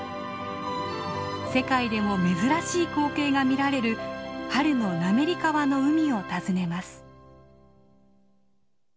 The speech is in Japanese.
世界でも珍しい光景が見られる春の滑川の海を訪ねます。